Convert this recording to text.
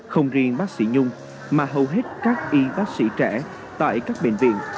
không riêng bác sĩ nhung mà hầu hết các y bác sĩ trẻ tại các bệnh viện